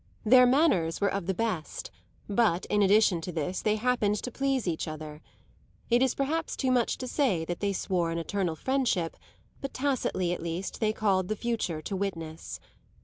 Their manners were of the best, but in addition to this they happened to please each other. It is perhaps too much to say that they swore an eternal friendship, but tacitly at least they called the future to witness.